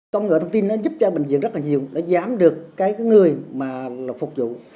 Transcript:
công nghệ thông tin giúp cho bệnh viện rất nhiều giảm được người phục vụ